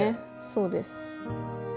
そうです。